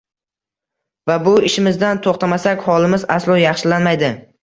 Va bu ishimizdan to‘xtamasak, holimiz aslo yaxshilanmaydi.